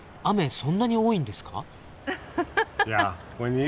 そんなに多いんですか？